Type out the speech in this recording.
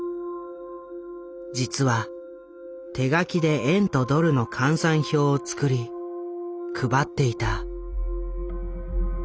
実は手書きで円とドルの換算表を作り配っていた。